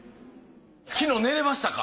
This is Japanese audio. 昨日寝られましたか？